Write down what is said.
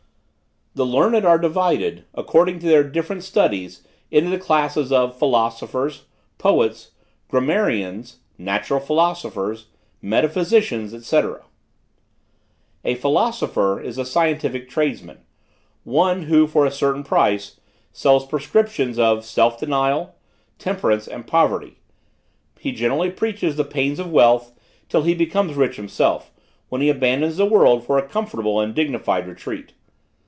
"The learned are divided, according to their different studies into the classes of philosophers, poets, grammarians, natural philosophers, metaphysicians, &c. "A philosopher is a scientific tradesman, who, for a certain price, sells prescriptions of self denial, temperance and poverty; he generally preaches the pains of wealth, till he becomes rich himself, when he abandons the world for a comfortable and dignified retreat.